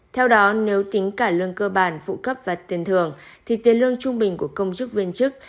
theo đó nếu tính cả lương cơ bản phụ cấp và tiền thường thì tiền lương trung bình của công chức viên chức